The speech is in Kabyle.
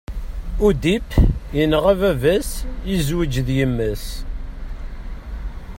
Udip yenɣa baba-s, yezwej d yemma-s.